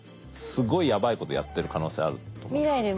すごいやばいことやってる可能性あると思うんですね。